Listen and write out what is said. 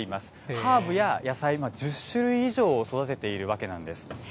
ハーブや野菜、１０種類以上を育てているわけなんです。